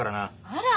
あら！